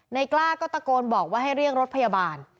กล้าก็ตะโกนบอกว่าให้เรียกรถพยาบาล